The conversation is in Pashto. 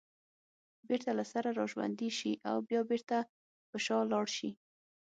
بېرته له سره راژوندي شي او بیا بېرته پر شا لاړ شي